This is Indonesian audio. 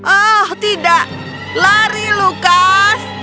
ah tidak lari lukas